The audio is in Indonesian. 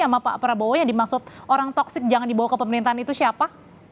sama pak prabowo yang dimaksud orang toksik jangan dibawa ke pemerintahan itu siapa